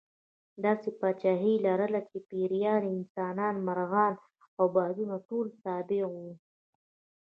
داسې پاچاهي یې لرله چې پېریان، انسانان، مرغان او بادونه ټول تابع وو.